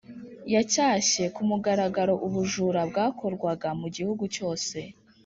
., yacyashye ku mugaragaro ubujura bwakorwaga mu gihugu cyose